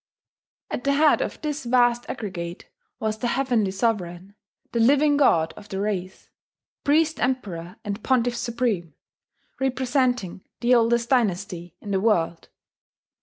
At the head of this vast aggregate was the Heavenly Sovereign, the Living God of the race, Priest Emperor and Pontiff Supreme, representing the oldest dynasty in the world.